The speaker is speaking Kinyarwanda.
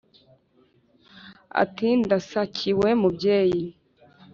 ati"ndasakiwe mubyeyi